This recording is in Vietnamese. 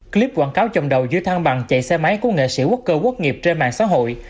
clip quảng cáo chồng đầu dưới thang bằng chạy xe máy của nghệ sĩ quốc cơ quốc nghiệp trên mạng xã hội